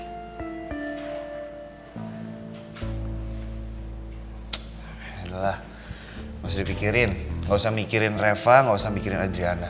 yaudah lah mesti dipikirin gak usah mikirin reva gak usah mikirin adriana